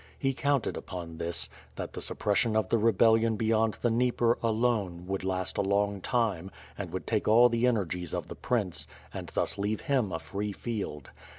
He counted upon this: that the suppression of the rebellion beyond the Dnieper, alone, would last a long time, and would take all the energies of the prince, and thus leave him a free field.